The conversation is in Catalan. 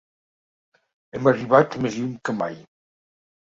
Hem arribat més lluny que mai.